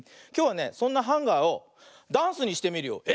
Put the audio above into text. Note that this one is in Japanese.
きょうはねそんなハンガーをダンスにしてみるよ。